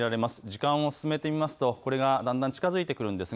時間を進めてみるとこれがだんだん近づいてくるんです。